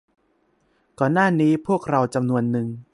ก่อนหน้านี้พวกเราจำนวนนึง